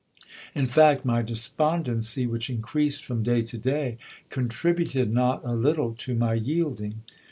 In fact, my despondency, which increased from day to day, contributed not a little to my yielding.